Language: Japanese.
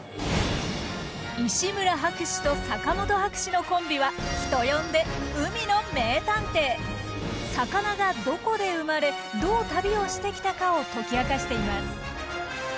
石村博士と坂本博士のコンビは人呼んで魚がどこで生まれどう旅をしてきたかを解き明かしています。